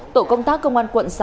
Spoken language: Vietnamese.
tổ công tác công an quận sáu